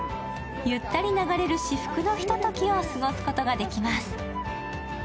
ゆったり流れる至福のひとときを過ごすことができます。